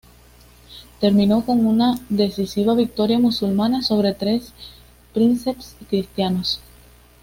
Terminó con una decisiva victoria musulmana sobre tres "princeps" cristianos.